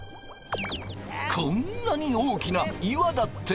こんなに大きな岩だって。